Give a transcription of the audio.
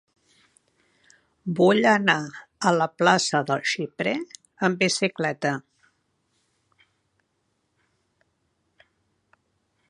Vull anar a la plaça del Xiprer amb bicicleta.